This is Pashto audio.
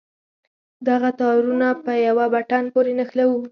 دغه تارونه په يوه بټن پورې نښلوو.